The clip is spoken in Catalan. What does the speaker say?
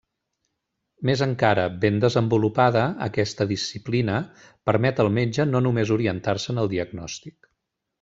Més encara, ben desenvolupada, aquesta disciplina permet al metge no només orientar-se en el diagnòstic.